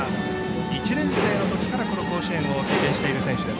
１年生のときから甲子園を経験している選手です。